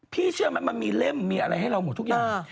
เชื่อไหมมันมีเล่มมีอะไรให้เราหมดทุกอย่าง